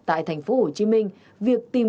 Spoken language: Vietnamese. tại thành phố hồ chí minh việc tìm